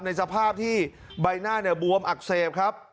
ในสภาพที่ใบหน้าเนี่ยบวมอักเสบครับ